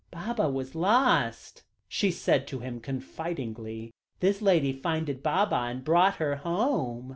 "Baba was lost," she said to him confidingly. "This lady finded Baba, and brought her home."